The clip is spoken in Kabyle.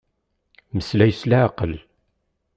Meslay s leɛqel.